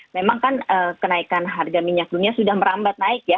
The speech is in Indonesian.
memang kan kenaikan harga minyak dunia sudah merambat naik ya